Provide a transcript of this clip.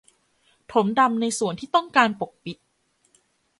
ถมดำในส่วนที่ต้องการปกปิด